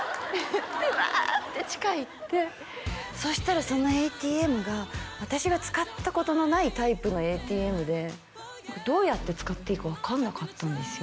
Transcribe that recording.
ってワーッて地下行ってそしたらそのＡＴＭが私が使ったことのないタイプのＡＴＭでどうやって使っていいか分かんなかったんですよ